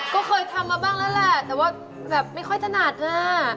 ก็เคยทำมาบ้างแล้วแหละแต่ว่าแบบไม่ค่อยถนัดอ่ะ